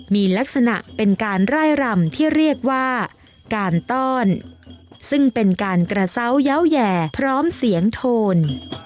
มีลักษณะเป็นการไล่รำที่เรียกว่าการต้อนซึ่งเป็นการกระเศร้าเยาว์แห่พร้อมเสียงโทน